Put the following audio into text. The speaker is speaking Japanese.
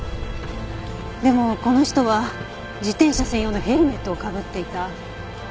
でもこの人は自転車専用のヘルメットをかぶっていた。